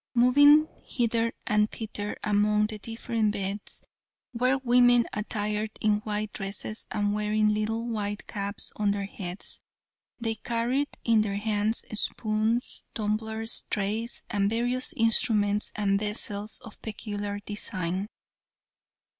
Moving hither and thither among the different beds were women attired in white dresses and wearing little white caps on their heads. They carried in their hands, spoons, tumblers, trays, and various instruments and vessels of peculiar design.